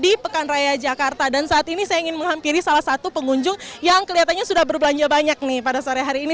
di pekan raya jakarta dan saat ini saya ingin menghampiri salah satu pengunjung yang kelihatannya sudah berbelanja banyak nih pada sore hari ini